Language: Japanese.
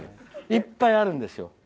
いっぱいあるんですよ。